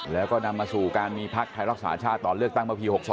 แล้วก็นำมาสู่การมีพักไทยรักษาชาติตอนเลือกตั้งเมื่อปี๖๒